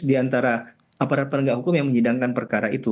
di antara aparat penegak hukum yang menyidangkan perkara itu